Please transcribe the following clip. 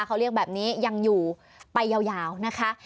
เขาเรียกแบบนี้ยังอยู่ไปยาวนะคะ